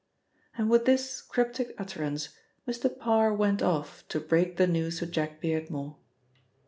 And with this cryptic utterance, Mr. Parr went off to break the news to Jack Beardmore.